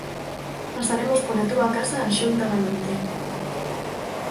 Pasaremos pola túa casa á xunta da noite.